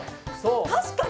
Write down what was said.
確かに。